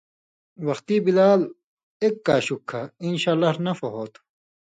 وختی بلال ایک کاشُک کھہ، انشاءاللہ نفع ہوتُھو۔